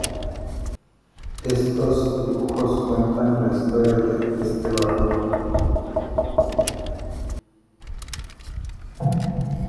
estos dibujos cuentan la historia de este barco.